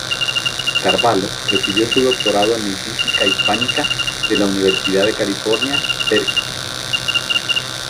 Carvalho recibió su doctorado en lingüística hispánica de la Universidad de California, Berkeley.